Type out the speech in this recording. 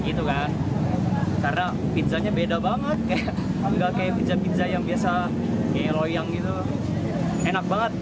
gitu kan karena pizzanya beda banget kayak pizza pizza yang biasa kayak loyang gitu enak banget